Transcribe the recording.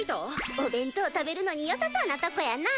お弁当食べるのによさそうなとこやなぁ。